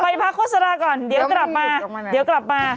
ไปพักโฆษราก่อนเดี๋ยวกลับมา